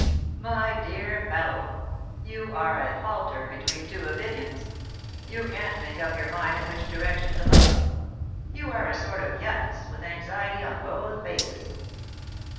"My dear fellow, you are a halter between two opinions. You can't make up your mind in which direction to look. You are a sort of Janus, with anxiety on both faces."